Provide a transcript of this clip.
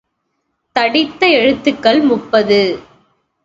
தடித்த எழுத்துக்கள் முப்பது.